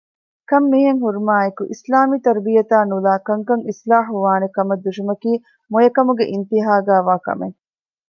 ކަންމިހެންހުރުމާއެކު އިސްލާމީ ތަރުބިޔަތާ ނުލައި ކަންކަން އިޞްލާޙުވާނެކަމަށް ދުށުމަކީ މޮޔަކަމުގެ އިންތިހާގައިވާ ކަމެއް